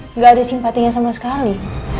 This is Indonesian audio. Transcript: tidak ada simpatinya sama sekali